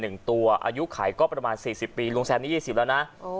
หนึ่งตัวอายุขายก็ประมาณสี่สิบปีลุงแซมนี้ยี่สิบแล้วน่ะโอ้